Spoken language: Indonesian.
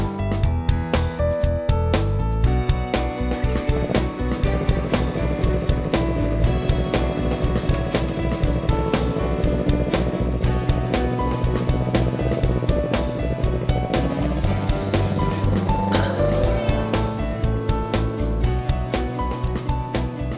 oke sampai jumpa